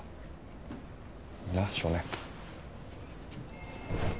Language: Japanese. なあ少年。